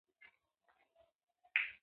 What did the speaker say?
د جراحي ستونزو لپاره د جراح ډاکټر ته لاړ شئ